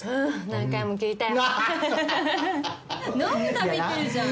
何回も聞いてよ！